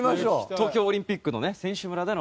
東京オリンピックのね選手村での。